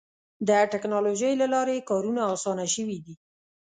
د ټکنالوجۍ له لارې کارونه اسانه شوي دي.